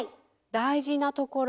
大事なところ。